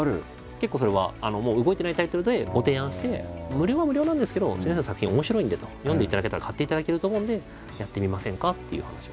結構それはもう動いてないタイトルでご提案して「無料は無料なんですけど先生の作品面白いんで読んでいただけたら買っていただけると思うんでやってみませんか？」っていう話を。